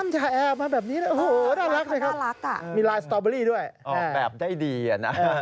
ใช่ดูสิครับน่ารักน่ารักน่ะมีลายสตอร์เบอร์รี่ด้วยอ๋อแบบได้ดีอ่ะนะ